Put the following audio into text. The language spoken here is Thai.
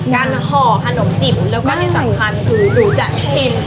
การห่อขนมจิบแล้วก็ในสำคัญคือดูจัดชิน